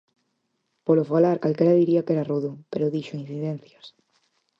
Polo falar, calquera diría que era rudo, pero dixo: incidencias.